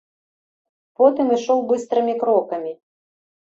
Потым ішоў быстрымі крокамі.